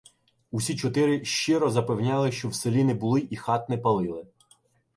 Усі чотири "щиро" запевняли, що в селі не були і хат не палили.